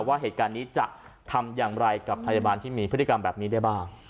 ว่าเหตุการณ์นี้จะทำอย่างไรกับพยาบาลที่มีพฤติกรรมแบบนี้ได้บ้าง